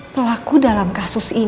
pelaku dalam kasus ini